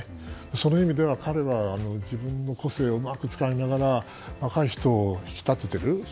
その意味では、彼は自分の個性をうまく使いながら若い人を引き立てている。